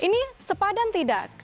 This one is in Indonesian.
ini sepadan tidak